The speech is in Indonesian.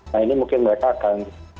nah ini mungkin mereka akan